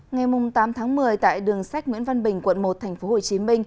ngày tám tháng một mươi tại đường sách nguyễn văn bình quận một tp hcm